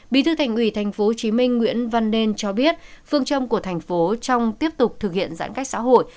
bí thư thành ủy tp hcm nguyễn văn nên cho biết phương trông của tp hcm trong tiếp tục thực hiện giãn cách xã hội